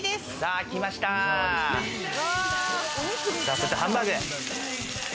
そしてハンバーグ。